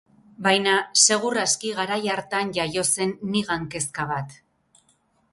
Baina segur aski garai hartan jaio zen nigan kezka bat.